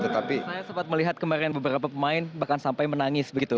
saya sempat melihat kemarin beberapa pemain bahkan sampai menangis begitu